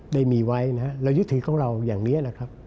ได้มีไว้นะฮะเรายึดถือของเราอย่างนี้นะครับ